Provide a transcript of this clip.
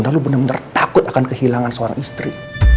dan lo bener bener takut akan kehilangan seorang istri